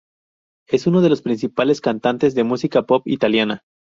Es uno de los principales cantantes de música pop italiana.